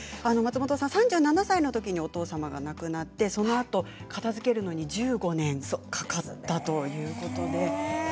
３７歳の時にお父様が亡くなってそのあと片づけるのに１５年かかったということです。